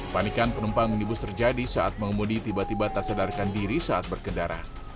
panikan penumpang menibus terjadi saat pengemudi tiba tiba tersadarkan diri saat berkendara